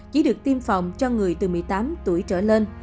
chỉ được tiêm phòng cho người từ một mươi tám tuổi trở lên